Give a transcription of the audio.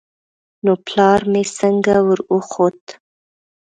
نو پلار مې څنگه وروخوت.